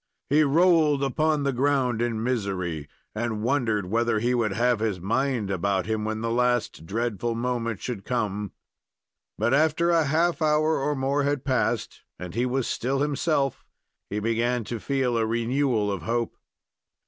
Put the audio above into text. He rolled upon the ground in misery, and wondered whether he would have his mind about him when the last dreadful moment should come; but after a half hour or more had passed, and he was still himself, he began to feel a renewal of hope.